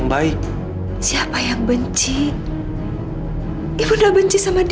gak suka ibu nama aku serius roh